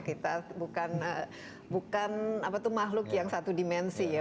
kita bukan apa tuh makhluk yang satu dimensi ya